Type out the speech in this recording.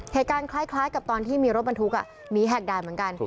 เหตุการณ์คล้ายกับตอนที่มีรถบรรทุกหนีแหกด่านเหมือนกัน